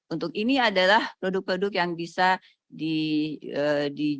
untuk ini adalah produk produk yang bisa digunakan